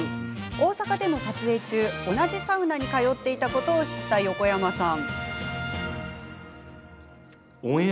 大阪での撮影中同じサウナに通っていたことを知った横山さん。